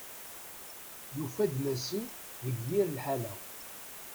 Yufa-d Massi deg yir lḥala.